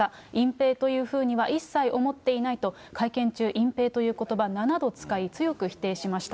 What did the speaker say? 隠蔽というふうには一切思っていないと、会見中、隠蔽ということば７度使い、強く否定しました。